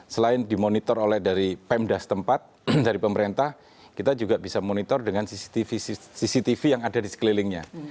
selain dimonitor oleh dari pemda setempat dari pemerintah kita juga bisa monitor dengan cctv yang ada di sekelilingnya